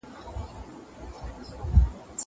د رسولانو او کافرانو تر منځ پيښي پکښي ذکر سوي دي.